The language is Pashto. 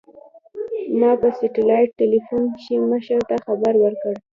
ما په سټلايټ ټېلفون کښې مشر ته خبر وركړ.